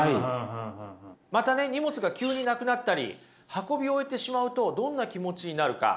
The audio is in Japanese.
またね荷物が急になくなったり運び終えてしまうとどんな気持ちになるか。